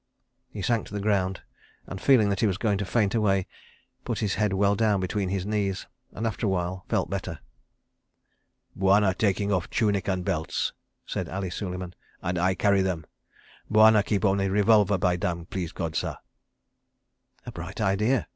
He sank to the ground, and feeling that he was going to faint away, put his head well down between his knees, and, after a while, felt better. "Bwana taking off tunic and belts," said Ali Suleiman, "and I carry them. Bwana keep only revolver, by damn, please God, sah." A bright idea!